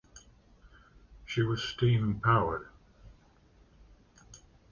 She was steam powered.